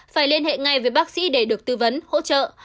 phải liên hệ ngay với bác sĩ để được tư vấn hỗ trợ